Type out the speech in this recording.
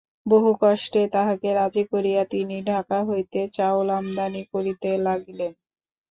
বহু কষ্টে তাঁহাকে রাজী করিয়া তিনি ঢাকা হইতে চাউল আমদানি করিতে লাগিলেন।